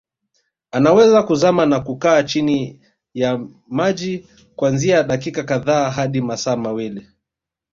Anaweza kuzama na kukaa chini ya maji kuanzia dakika kadhaa hadi masaa mawili